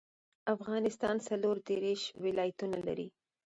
افغانستان څلور ديرش ولايتونه لري